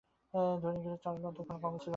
ধনীগৃহে চারুলতার কোনো কর্ম ছিল না।